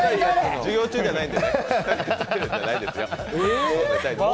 授業中じゃないんでね。